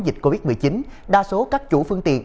dịch covid một mươi chín đa số các chủ phương tiện